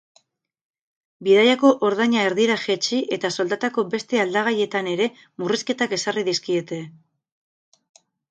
Bidaiako ordaina erdira jaitsi eta soldatako beste aldagaietan ere murrizketak ezarri dizkiete.